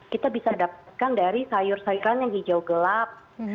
kita bisa dapatkan dari sayur sayuran yang hijau gelap